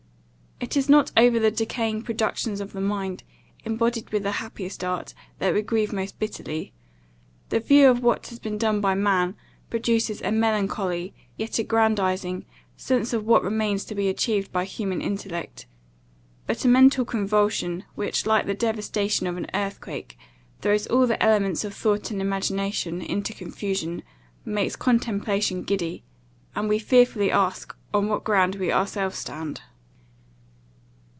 It is not over the decaying productions of the mind, embodied with the happiest art, we grieve most bitterly. The view of what has been done by man, produces a melancholy, yet aggrandizing, sense of what remains to be achieved by human intellect; but a mental convulsion, which, like the devastation of an earthquake, throws all the elements of thought and imagination into confusion, makes contemplation giddy, and we fearfully ask on what ground we ourselves stand.